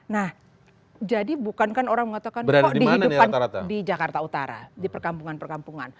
nah jadi bukan kan orang mengatakan kok dihidupkan di jakarta utara di perkampungan perkampungan